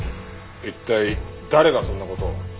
一体誰がそんな事を？